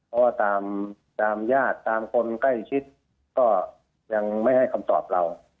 เพราะว่าตามญาติตามคนใกล้ชิดก็ยังไม่ให้คำตอบเรา